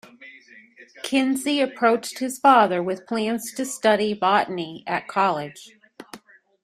Kinsey approached his father with plans to study botany at college.